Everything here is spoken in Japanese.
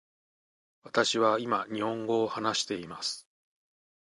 私は今日本語を話しています。